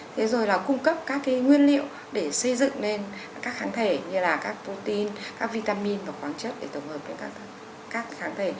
thế rồi là cung cấp các cái nguyên liệu để xây dựng lên các kháng thể như là các pôin các vitamin và khoáng chất để tổng hợp với các kháng thể